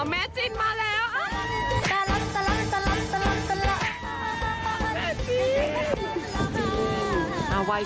แม่จินมาแล้ว